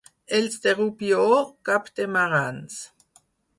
Els de Rubió, cap de marrans.